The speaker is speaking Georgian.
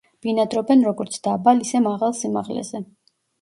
ბინადრობენ როგორც დაბალ, ისე მაღალ სიმაღლეზე.